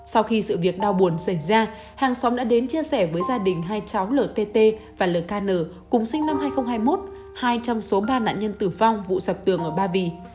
sau khi sự việc đau buồn xảy ra hàng xóm đã đến chia sẻ với gia đình hai cháu lt và lk cùng sinh năm hai nghìn hai mươi một hai trong số ba nạn nhân tử vong vụ sập tường ở ba vì